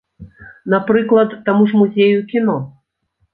Напрыклад, таму ж музею кіно.